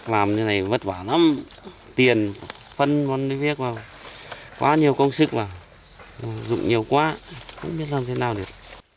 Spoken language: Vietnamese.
làm như này vất vả lắm tiền phân viết vào quá nhiều công sức vào dụng nhiều quá không biết làm thế nào được